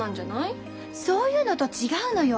そういうのと違うのよ。